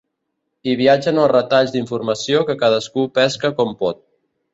Hi viatgen els retalls d'informació que cadascú pesca com pot.